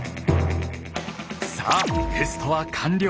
さあテストは完了。